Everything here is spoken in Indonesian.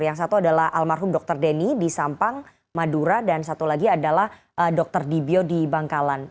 yang satu adalah almarhum dr denny di sampang madura dan satu lagi adalah dr dibyo di bangkalan